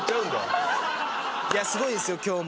いやすごいですよ今日も。